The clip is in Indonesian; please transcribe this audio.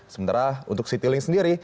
sementara untuk citylink sendiri